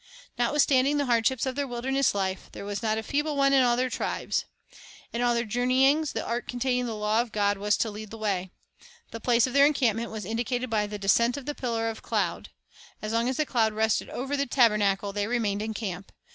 Notwithstanding the hardships of their wilder ness life, there was not a feeble one in all their tribes. In all their journeyings the ark containing the law The Divine of God was to lead the way. The place of their encamp ment was indicated by the descent of the pillar of cloud. As long as the cloud rested over the tabernacle, they remained in camp.